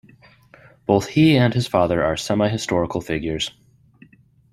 Both he and his father are semi-historical figures.